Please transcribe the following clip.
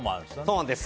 そうなんです。